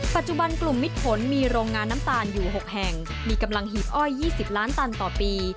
ปัจจุบันกลุ่มมิดผลมีโรงงานน้ำตาลอยู่๖แห่งมีกำลังหีบอ้อย๒๐ล้านตันต่อปี